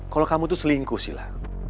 kalau kamu tuh selingkuh sila